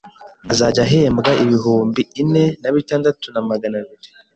azajya ahembwa ibihumbi ine nabitandatu na Magana abiri